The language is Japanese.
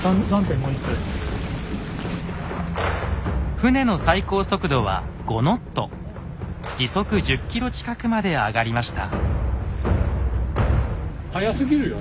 船の最高速度は５ノット時速１０ｋｍ近くまで上がりました。